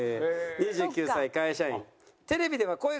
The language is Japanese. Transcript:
２９歳会社員。